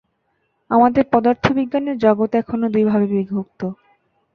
আমাদের পদার্থবিজ্ঞানের জগৎ এখনো দুই ভাগে বিভক্ত।